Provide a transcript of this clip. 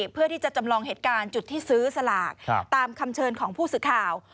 เพื่อที่จะจำลองเหตุการณ์จุดที่ซื้อสลากตามคำเชิญของผู้สื่อข่าว